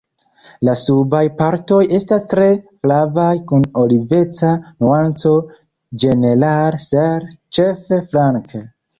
La subaj partoj estas tre flavaj kun oliveca nuanco ĝenerale ser ĉefe flanke.